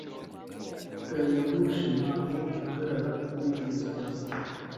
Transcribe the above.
Gariyamoshi ntabwo ihagarara kuri iyo sitasiyo.